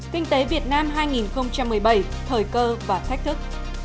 kinh tế việt nam hai nghìn một mươi bảy thời cơ và thách thức